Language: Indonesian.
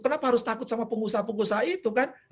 kenapa harus takut sama pengusaha pengusaha itu kan